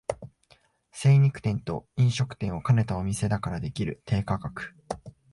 精肉店と飲食店を兼ねたお店だからできる低価格